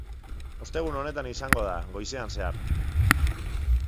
Ostegun honetan izango da, goizean zehar.